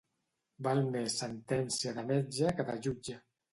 Val més sentència de metge que de jutge.